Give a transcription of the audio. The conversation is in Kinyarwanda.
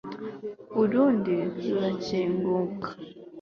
urundi rurakinguka